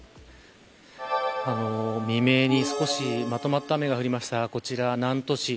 未明に少しまとまった雨が降りました、こちら南砺市。